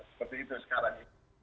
seperti itu sekarang